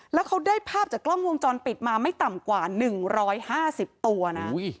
แล้วเขาได้ภาพจากกล้องวงจรปิดมาไม่ต่ำกว่า๑๕๐ตัวนะ